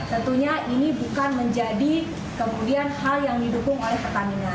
tentunya ini bukan menjadi kemudian hal yang didukung oleh pertandingan